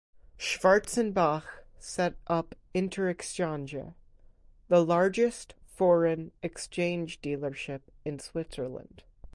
Schwarzenbach set up Interexchange, the largest foreign exchange dealership in Switzerland.